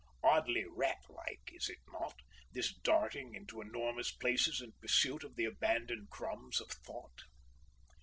Oddly rat like, is it not, this darting into enormous places in pursuit of the abandoned crumbs of thought?